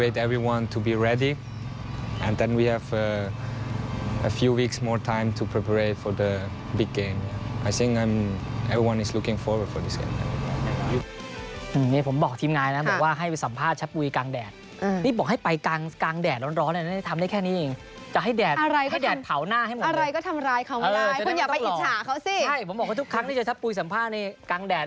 เพื่อพร้อมกับกลุ่มใหญ่ฉันคิดว่าทุกคนต้องรอบสู่กลางรับ